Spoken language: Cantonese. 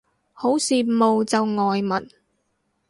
好羨慕就外文